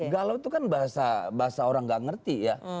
galau itu kan bahasa orang gak ngerti ya